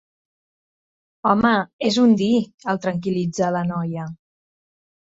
Home, és un dir —el tranquil·litza la noia—.